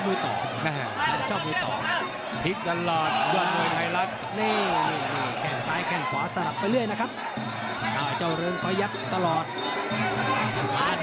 น้ำเงินได้แทงแหลมแต่โดนกระตุกลม